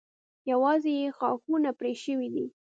یوازې یې ښاخونه پرې شوي دي.